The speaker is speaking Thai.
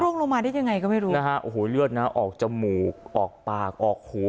ลงมาได้ยังไงก็ไม่รู้นะฮะโอ้โหเลือดนะออกจมูกออกปากออกหู